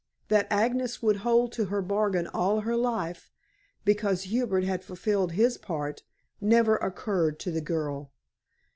That Agnes would hold to her bargain all her life, because Hubert had fulfilled his part, never occurred to the girl.